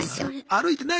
歩いてないのよ